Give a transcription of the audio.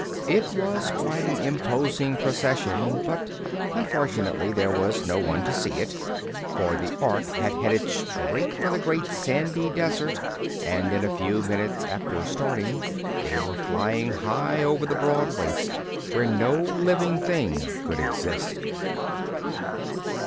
It was quite an imposing procession, but unfortunately there was no one to see it, for the Ork had headed straight for the great sandy desert and in a few minutes after starting they were flying high over the broad waste, where no living thing could exist.